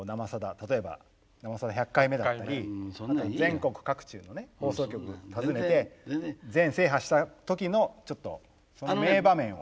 例えば「生さだ」１００回目だったり全国各地のね放送局訪ねて全制覇した時のちょっと名場面を。